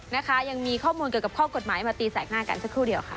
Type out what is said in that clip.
นะคะยังมีข้อมูลเกี่ยวกับข้อกฎหมายมาตีแสกหน้ากันสักครู่เดียวค่ะ